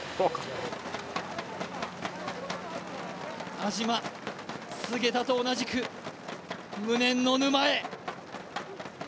安嶋、菅田と同じく無念の沼へ。